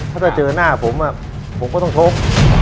ถ้าถ้าเจอหน้าผมผมก็ต้องชก